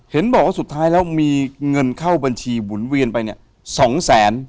เห็นบอกว่าสุดท้ายแล้วมีเงินเข้าบัญชีหมุนเวียนไปเนี่ย๒แสน